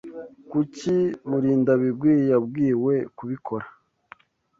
Kuki Murindabigwi yabwiwe kubikora?